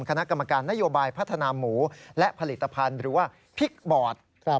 คณะกรรมการนโยบายพัฒนาหมูและผลิตภัณฑ์หรือว่าพริกบอร์ด